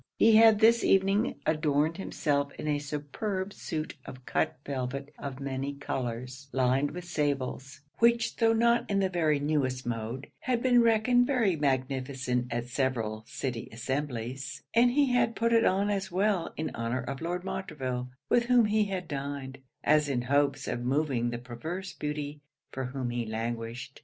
He had this evening adorned himself in a superb suit of cut velvet of many colours, lined with sables; which tho' not in the very newest mode, had been reckoned very magnificent at several city assemblies; and he had put it on as well in honour of Lord Montreville, with whom he had dined, as in hopes of moving the perverse beauty for whom he languished.